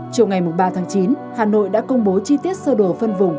chiều ngày ba tháng chín hà nội đã công bố chi tiết sơ đồ phân vùng